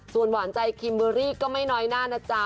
ส่วนหวานใจคิมเบอร์รี่ก็ไม่น้อยหน้านะจ๊ะ